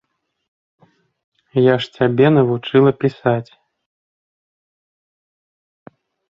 Я ж цябе навучыла пісаць?